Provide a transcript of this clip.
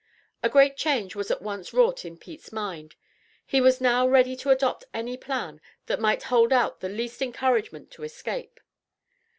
A great change was at once wrought in Pete's mind. He was now ready to adopt any plan that might hold out the least encouragement to escape.